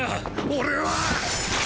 俺は！